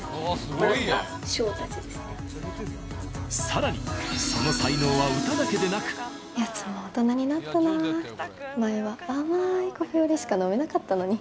更に、その才能は歌だけでなくやつも大人になったな前は甘いカフェオレしか飲めなかったのに。